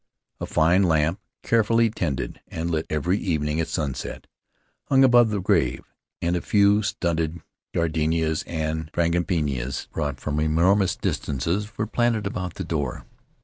A fine lamp, carefully Marooned on Mataora tended and lit every evening at sunset, hung above the grave, and a few stunted gardenias and frangipanis, brought from enormous distances, were planted about the door.